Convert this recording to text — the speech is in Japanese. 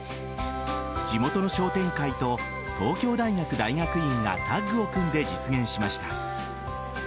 地元の商店会と東京大学大学院がタッグを組んで実現しました。